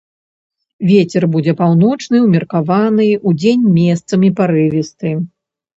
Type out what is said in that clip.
Вецер будзе паўночны ўмеркаваны, удзень месцамі парывісты.